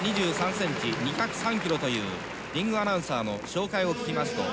２２３ｃｍ、２０３ｋｇというリングアナウンサーの紹介を聞きますと